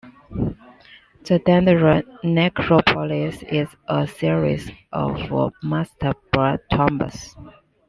The Dendera necropolis is a series of mastaba tombs.